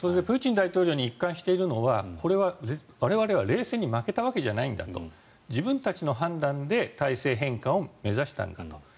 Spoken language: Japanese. プーチン大統領に一貫しているのは我々は冷戦に負けたわけじゃないんだと自分たちの判断で体制変換を目指したんだと。